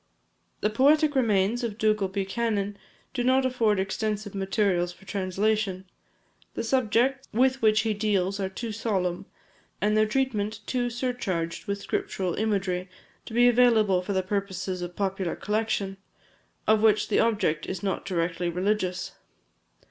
The poetic remains of Dougal Buchanan do not afford extensive materials for translation. The subjects with which he deals are too solemn, and their treatment too surcharged with scriptural imagery, to be available for the purposes of a popular collection, of which the object is not directly religious.